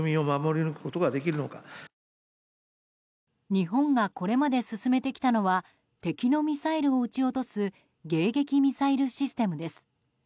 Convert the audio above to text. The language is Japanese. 日本がこれまで進めてきたのは敵のミサイルを撃ち落とす迎撃ミサイルシステムです。